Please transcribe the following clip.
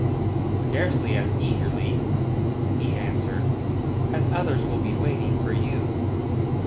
"Scarcely as eagerly," he answered, "as others will be waiting for you."